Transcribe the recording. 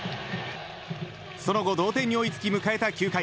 その後、同点に追いつき迎えた９回。